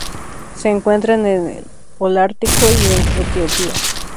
Se encuentran en el Holártico y en Etiopía.